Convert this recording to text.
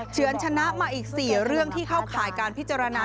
เฉือนชนะมาอีก๔เรื่องที่เข้าข่ายการพิจารณา